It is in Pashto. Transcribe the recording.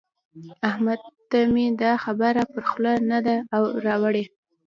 احمد ته مې دا خبره پر خوله نه ده راوړي.